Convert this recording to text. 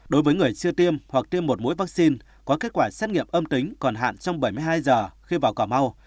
đối với người chưa tiêm hoặc tiêm một mũi vaccine có kết quả xét nghiệm âm tính còn hạn trong bảy mươi hai giờ khi vào cà mau